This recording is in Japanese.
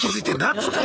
っつって。